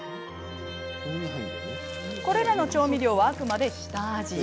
これらの調味料はあくまで下味。